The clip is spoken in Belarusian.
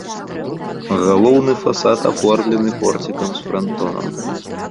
Галоўны фасад аформлены порцікам з франтонам.